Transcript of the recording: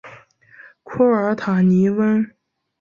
库尔塔尼翁。